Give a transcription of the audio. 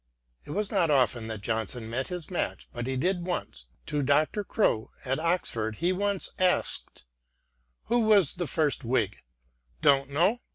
It was not often that Johnson met his match, but he did once. To Dr. Crowe at Oxford he once asked :" Who was the first Wliig f Don't know.